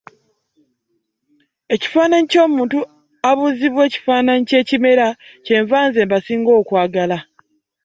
Ekifaananyi ky’omuntu abuuzibwa ekifaananyi ky’ekimera ky’enva ze basinga okwagala.